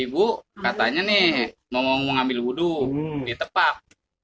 ibu katanya nih mau ngambil wudu ditepak